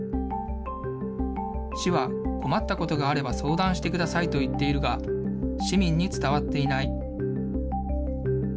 市は、困ったことがあれば相談してくださいと言っているが、市民に伝わっていない。